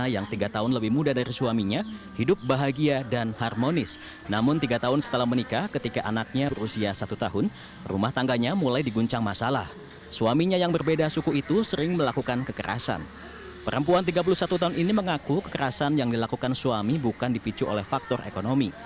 yang dilakukan suami bukan dipicu oleh faktor ekonomi